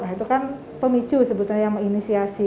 nah itu kan pemicu sebetulnya yang menginisiasi